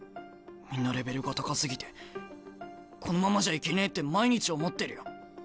みんなレベルが高すぎてこのままじゃいけねえって毎日思ってるよ。